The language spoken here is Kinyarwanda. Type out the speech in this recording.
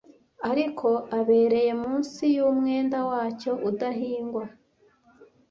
ariko abereye munsi yumwenda wacyo udahingwa